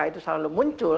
itu selalu muncul